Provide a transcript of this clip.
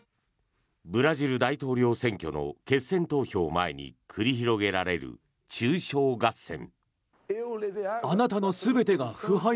ブラジル大統領選挙の決選投票を前に繰り広げられる中傷合戦。